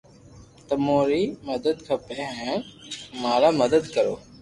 تموري ري مدد کپي ھين اماري مدد ڪرو